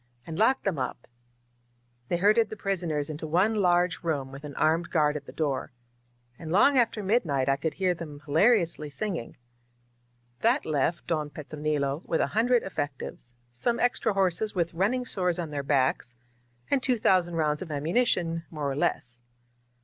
"And lock them up !" They herded the prisoners into one large room, with an armed guard at the door. And long after midnight I could hear them hilariously singing. That left Don Petronilo with a hundred effectives, some extra horses with running sores on their backs, and two thousand rounds of ammunition, more or less.